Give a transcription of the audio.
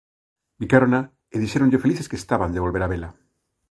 Bicárona e dixéronlle o felices que estaban de volver a vela.